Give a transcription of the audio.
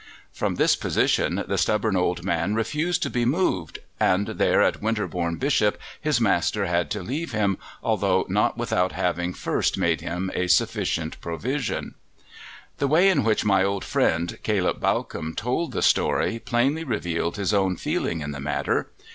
From this position the stubborn old man refused to be moved, and there at Winterbourne Bishop his master had to leave him, although not without having first made him a sufficient provision. The way in which my old friend, Caleb Bawcombe, told the story plainly revealed his own feeling in the matter.